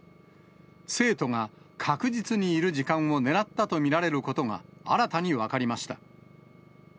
生徒が確実にいる時間を狙ったと見られることが、新たに分かりました。